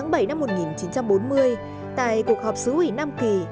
năm một nghìn chín trăm bốn mươi tại cuộc họp sứ ủy năm kỳ